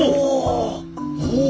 ほう！